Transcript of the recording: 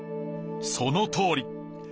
そのとおり。